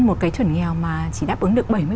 một cái chuẩn nghèo mà chỉ đáp ứng được bảy mươi